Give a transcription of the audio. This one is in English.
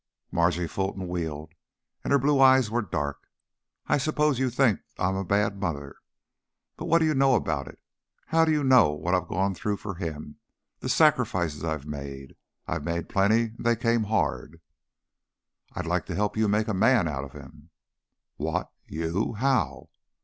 Margie Fulton wheeled and her blue eyes were dark. "I suppose you think I'm a bad mother. But what do you know about it? How do you know what I've gone through for him; the sacrifices I've made? I've made plenty and they came hard." "I'd like to help you make a man of him." "What? You? How?"